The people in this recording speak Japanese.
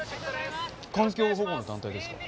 環境保護の団体ですか？